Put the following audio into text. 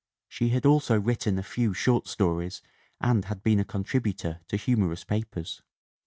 She had also written a few short stories and had been a contributor to humorous papers.